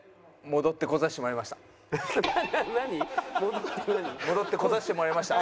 戻ってこざしてもらいました。